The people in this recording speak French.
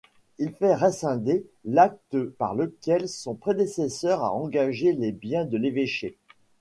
Il fait rescinder l'acte par lequel son prédécesseur a engagé les bien de l'évêché.